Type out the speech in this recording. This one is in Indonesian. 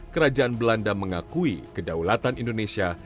kerajaan belanda mengakui kedaulatan indonesia